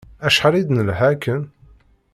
Acḥal i d-nelḥa akken.